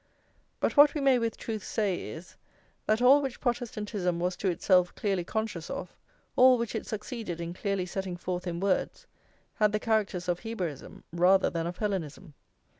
But what we may with truth say is, that all which Protestantism was to itself clearly conscious of, all which it succeeded in clearly setting forth in words, had the characters of Hebraism rather than of Hellenism.